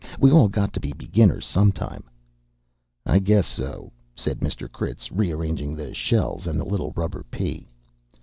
We all got to be beginners sometime." "I guess so," said Mr. Critz, rearranging the shells and the little rubber pea.